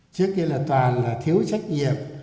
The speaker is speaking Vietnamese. cái kia là toàn là thiếu trách nhiệm